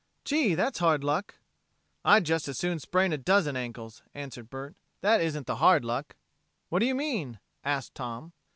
"Gee, that's hard luck!" "I'd just as soon sprain a dozen ankles," answered Bert. "That isn't the hard luck." "What do you mean?" asked Tom.